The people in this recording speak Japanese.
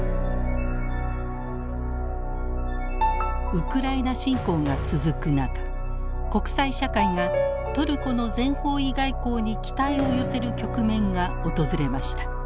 ウクライナ侵攻が続く中国際社会がトルコの全方位外交に期待を寄せる局面が訪れました。